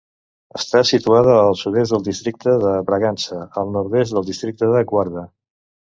Està situada al sud-est del districte de Bragança i el nord-est del districte de Guarda.